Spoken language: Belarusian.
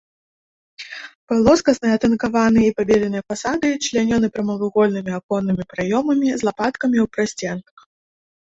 Плоскасныя атынкаваныя і пабеленыя фасады члянёны прамавугольнымі аконнымі праёмамі з лапаткамі ў прасценках.